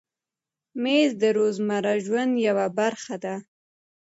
مېز د روزمره ژوند یوه برخه ده.